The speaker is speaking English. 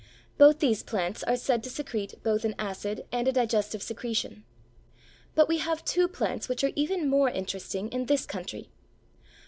Both these plants are said to secrete both an acid and a digestive secretion. But we have two plants which are even more interesting in this country.